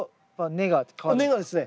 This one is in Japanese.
根がですね